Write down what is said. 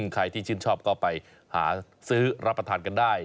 ใครที่ชื่นชอบก็ไปหาซื้อรับประทานกันได้